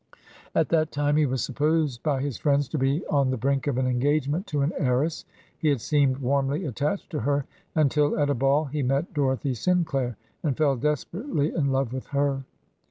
At that time he was supposed by his friends to be on the brink of an engagement to an heiress, he had seemed warmly attached to her, until at a ball he met Dorothy Sinclair, and fell desperately in love with her.